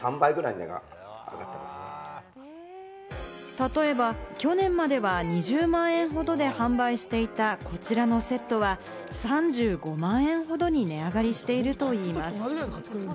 例えば去年までは２０万円ほどで販売していたこちらのセットは、３５万円ほどに値上がりしているといいます。